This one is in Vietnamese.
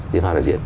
liên hoan đại diện